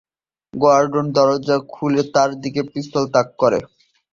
Gordon দরজা খুলে তার দিকে পিস্তল তাক করে।